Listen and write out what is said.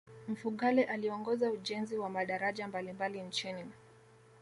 mfugale aliongoza ujenzi wa madaraja mbalimbali nchini